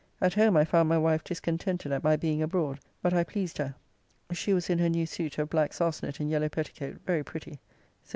At home I found my wife discontented at my being abroad, but I pleased her. She was in her new suit of black sarcenet and yellow petticoat very pretty.